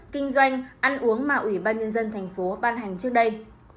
kinh doanh ăn uống mà ubnd tp hcm ban hành trước đây